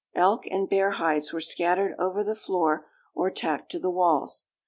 Elk and bear hides were scattered over the floor or tacked to the walls.